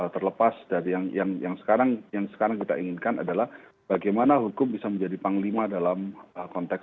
terlepas dari yang sekarang kita inginkan adalah bagaimana hukum bisa menjadi panglima dalam konteks